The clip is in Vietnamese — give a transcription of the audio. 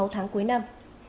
sáu tháng cuối năm